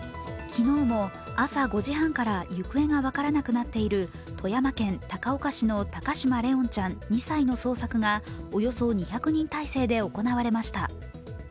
昨日も朝５時半から行方が分からなくなっている富山県高岡市の高嶋怜音ちゃん２歳の捜索がおよそ２００人態勢で行われました。